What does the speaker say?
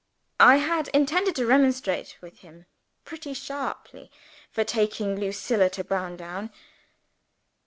I had intended to remonstrate with him pretty sharply for taking Lucilla to Browndown.